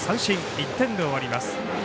１点で終わります。